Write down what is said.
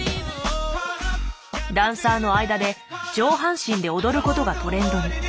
ダンサーの間で上半身で踊ることがトレンドに。